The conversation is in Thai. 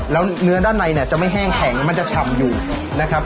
แล้วเนื้อด้านในเนี่ยจะไม่แห้งแข็งมันจะฉ่ำอยู่นะครับ